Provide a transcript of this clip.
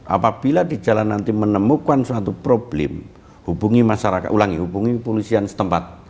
apabila di jalan nanti menemukan suatu problem hubungi masyarakat ulangi hubungi kepolisian setempat